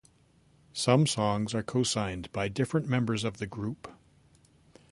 Some songs are co-signed by different members of the group.